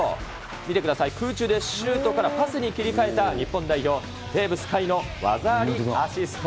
見てください、空中でシュートからパスに切り替えた日本代表、テーブス海の技ありアシスト。